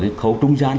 cái khấu trung gian